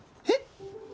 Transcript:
えっ？